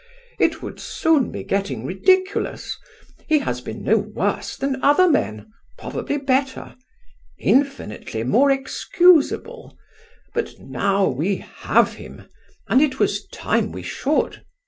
It would soon be getting ridiculous. He has been no worse than other men, probably better infinitely more excusable; but now we have him, and it was time we should.